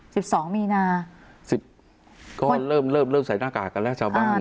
สิบสองมีนาสิบก็เริ่มเริ่มเริ่มใส่หน้ากากกันแล้วชาวบ้าน